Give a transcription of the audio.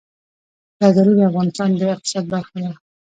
زردالو د افغانستان د اقتصاد برخه ده.